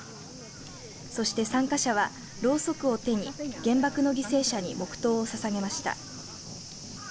そして、参加者はろうそくを手に原爆の犠牲者に黙とうをささげました。